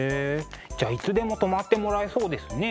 じゃいつでも泊まってもらえそうですね。